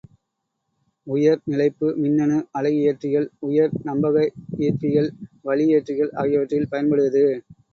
உயர் நிலைப்பு மின்னணு அலை இயற்றிகள், உயர் நம்பக ஈர்ப்பிகள், வளி ஏற்றிகள் ஆகியவற்றில் பயன்படுவது.